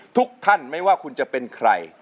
ทุกท่านไม่ว่าคุณจะเป็นใคร